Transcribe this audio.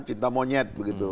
cinta monyet begitu